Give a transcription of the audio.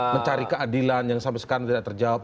mencari keadilan yang sampai sekarang tidak terjawab